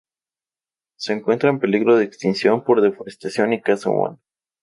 Se encuentra en peligro de extinción por deforestación y caza humana.